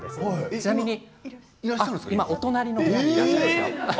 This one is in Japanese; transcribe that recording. ちなみにお隣の部屋にいらっしゃいますよ。